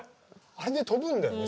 あれで飛ぶんだよね